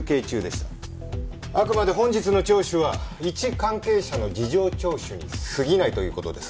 あくまで本日の聴取は一関係者の事情聴取にすぎないという事です。